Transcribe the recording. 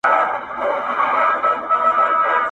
ځوان لکه مړ چي وي_